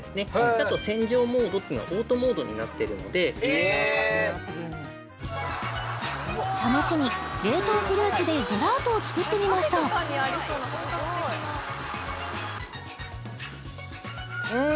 あと洗浄モードというのはオートモードになってるので試しに冷凍フルーツでジェラートを作ってみましたうん！